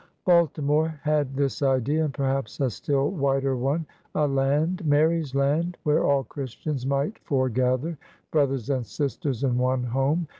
Baltimore had this idea and perhaps a stiU wider one: a land — Mary's land — where all Christians might foregather, brothers and sisters in one home!